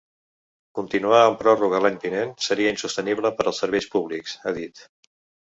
Continuar en pròrroga l’any vinent seria insostenible per als serveis públics, ha dit.